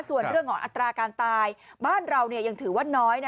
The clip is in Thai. ส่วนเรื่องของอัตราการตายบ้านเรายังถือว่าน้อย